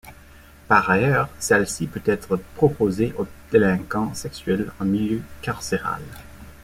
Par ailleurs, celle-ci peut être proposée aux délinquants sexuels en milieu carcéral.